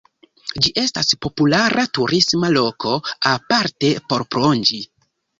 Ĝi estas populara turisma loko, aparte por plonĝi.